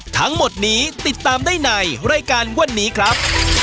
ทั้งหมดนี้ติดตามได้ในรายการวันนี้ครับ